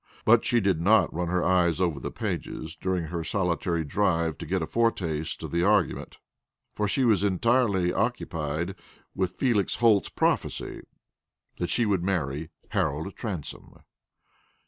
But she did not run her eyes over the pages during her solitary drive to get a foretaste of the argument, for she was entirely occupied with Felix Holt's prophecy that she would marry Harold Transome.